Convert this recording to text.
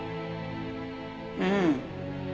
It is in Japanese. うん。